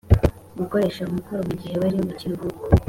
gukoresha umukoro mugihe bari mukiruhuko